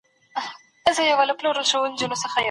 خپله څېړنه تل په باوري سرچینو تکیه کړئ.